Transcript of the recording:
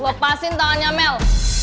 lepasin tangannya mel